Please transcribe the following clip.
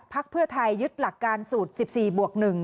เพื่อไทยยึดหลักการสูตร๑๔บวก๑